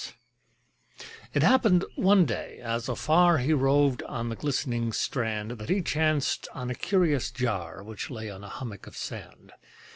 It happened one day, as afar He roved on the glistening strand, That he chanced on a curious jar, Which lay on a hummock of sand.